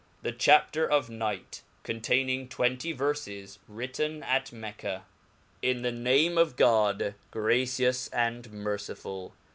The Chapter of Night, containing twenty Verfes, written at Mecca. IN the Name of God, gracious and mercifull.